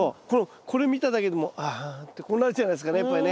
これ見ただけでも「ああ」ってこうなっちゃいますからねやっぱりね。